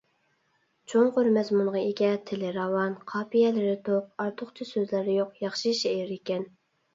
چوڭقۇر مەزمۇنغا ئىگە، تىلى راۋان، قاپىيەلىرى توق، ئارتۇقچە سۆزلەر يوق ياخشى شېئىركەن.